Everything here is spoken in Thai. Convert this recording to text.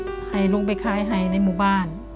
ก็ให้ลุงไปขายให้ในหมู่บ้าน